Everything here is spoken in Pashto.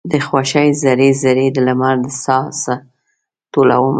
د خوښۍ ذرې، ذرې د لمر د ساه څه ټولومه